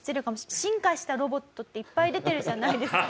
進化したロボットっていっぱい出てるじゃないですか。